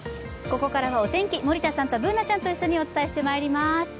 ここからはお天気、森田さんとＢｏｏｎａちゃんと一緒にお伝えしていきます。